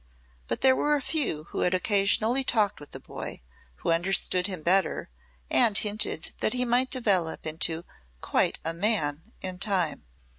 But there were a few who had occasionally talked with the boy, who understood him better, and hinted that he might develop into "quite a man" in time.